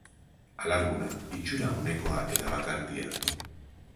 Alarguna, itxura onekoa eta bakartia.